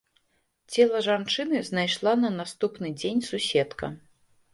Цела жанчыны знайшла на наступны дзень суседка.